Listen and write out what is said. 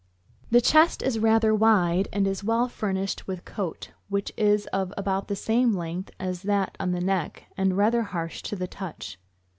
The chest is rather wide, and is well furnished with coat, which is of about the same length as that on the neck, and rather harsh to the touch.